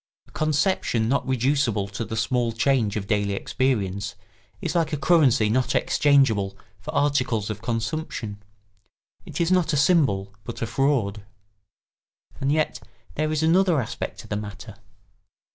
A conception not reducible to the small change of daily experience is like a currency not exchangeable for articles of consumption; it is not a symbol, but a fraud. And yet there is another aspect to the matter.